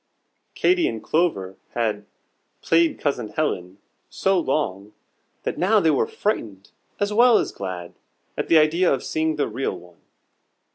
Katy and Clover had "played Cousin Helen" so long, that now they were frightened as well as glad at the idea of seeing the real one.